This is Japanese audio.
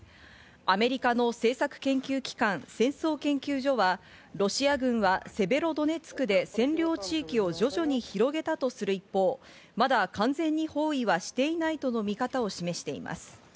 アメリカの政策研究機関戦争研究所は、ロシア軍はセベロドネツクで占領地域を徐々に広げたとする一方、まだ完全に包囲はしていないとの見方を示しています。